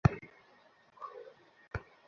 হেই, Bernardo!